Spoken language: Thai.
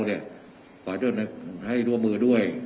ขอให้ร่วมความให้ด้วย